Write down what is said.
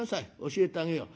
教えてあげよう。